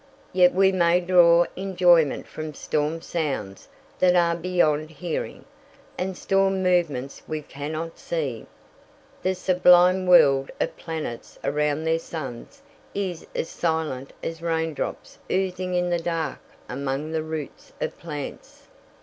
Yet we may draw enjoyment from storm sounds that are beyond hearing, and storm movements we cannot see. The sublime whirl of planets around their suns is as silent as raindrops oozing in the dark among the roots of plants.